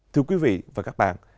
thưa quý vị và các bạn